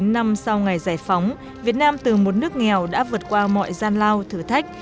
bốn mươi năm năm sau ngày giải phóng việt nam từ một nước nghèo đã vượt qua mọi gian lao thử thách